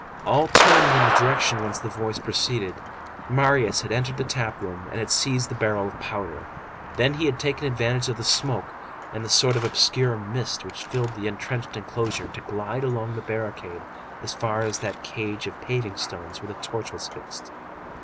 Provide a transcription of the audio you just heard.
All turned in the direction whence the voice proceeded. Marius had entered the tap room, and had seized the barrel of powder, then he had taken advantage of the smoke, and the sort of obscure mist which filled the entrenched enclosure, to glide along the barricade as far as that cage of paving stones where the torch was fixed.